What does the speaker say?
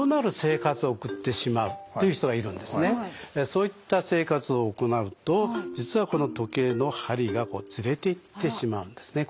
そういった生活を行うと実はこの時計の針がこうズレていってしまうんですね